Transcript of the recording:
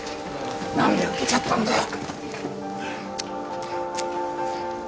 何で受けちゃったんだよ。